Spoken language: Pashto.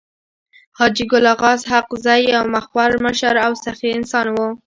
حاجي ګل اغا اسحق زی يو مخور مشر او سخي انسان وو.